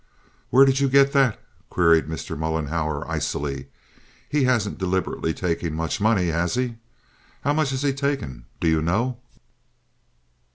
"Where did you get that?" queried Mr. Mollenhauer icily. "He hasn't deliberately taken much money, has he? How much has he taken—do you know?"